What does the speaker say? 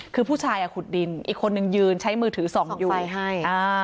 คือผู้ชายขุดดินอีกคนนึงยืนใช้มือถือส่องอยู่ให้